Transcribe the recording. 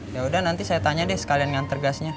yaudah nanti saya tanya deh sekalian nganter gasnya